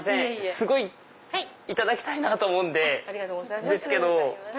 すごいいただきたいなと思うんですけど